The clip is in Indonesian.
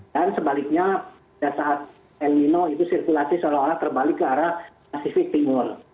dan sebaliknya pada saat el nino itu sirkulasi seolah olah terbalik ke arah pasifik timur